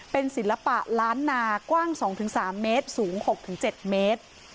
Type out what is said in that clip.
เป็นศิลปะล้านนากว้าง๒๓เมตรสูง๖๗เมตร